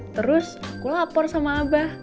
terus aku lapor sama abah